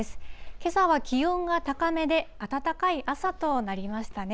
けさは気温が高めで、暖かい朝となりましたね。